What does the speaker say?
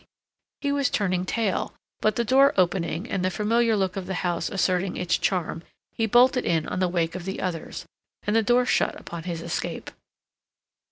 He was turning tail, but the door opening and the familiar look of the house asserting its charm, he bolted in on the wake of the others, and the door shut upon his escape.